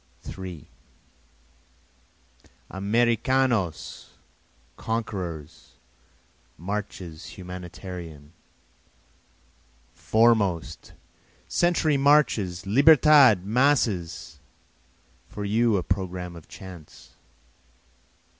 3 Americanos! conquerors! marches humanitarian! Foremost! century marches! Libertad! masses! For you a programme of chants.